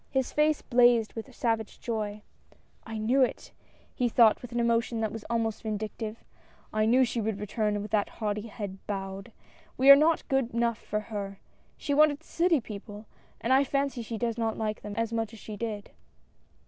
His face blazed with a savage joy. " I knew it !" he thought with an emotion that was almost vindictive, " I knew she would return with that haughty head bowed. We were not good enough for her — she wanted city people, and I fancy she does not like them, as much as she did."